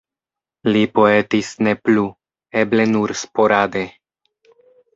Li poetis ne plu, eble nur sporade.